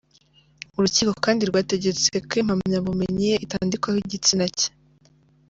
Urukiko kandi rwategetse ko impamyabumenyi ye itandikwaho igitsina cye.